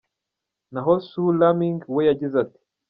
Naho Sue Lamming we yagize ati:.